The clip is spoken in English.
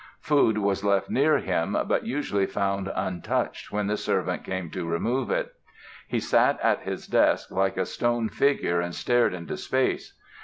Food was left near him but usually found untouched when the servant came to remove it. He sat at his desk like a stone figure and stared into space.